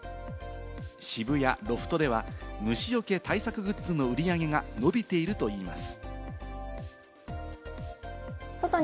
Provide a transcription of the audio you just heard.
渋谷ロフトでは、虫よけ対策グッズの売り上げが伸びているといいます。